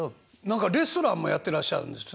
何かレストランもやってらっしゃるんですよね？